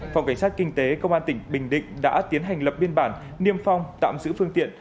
phòng cảnh sát kinh tế công an tỉnh bình định đã tiến hành lập biên bản niêm phong tạm giữ phương tiện